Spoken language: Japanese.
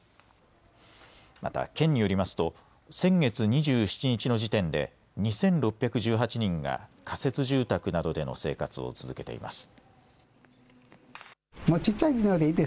また県によりますと先月２７日の時点で２６１８人が仮設住宅などでの生活を続けています。